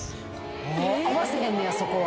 合わせへんねやそこは。